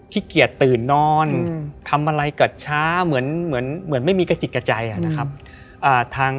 ขี้เกียจตื่นนอนทำอะไรเกิดช้าเหมือนไม่มีกระจิตกระใจนะครับ